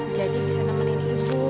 jadi bisa nemenin ibu